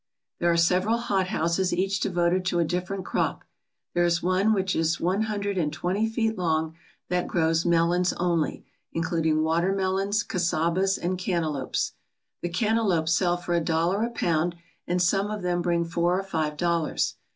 There are several hothouses each devoted to a different crop. There is one which is one hundred and twenty feet long that grows melons only, including watermelons, casabas, and cantaloupes. The cantaloupes sell for a dollar a pound, and some of them bring four or five dollars.